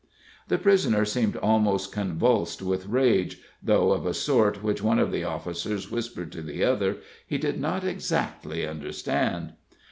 The prisoner seemed almost convulsed with rage, though of a sort which one of the officers whispered to the other, he did not exactly understand.